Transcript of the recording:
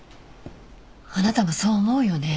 あなたもそう思うよね？